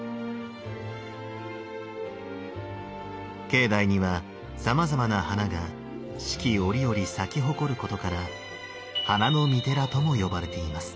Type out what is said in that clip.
境内にはさまざまな花が四季折々咲き誇ることから「花の御寺」とも呼ばれています。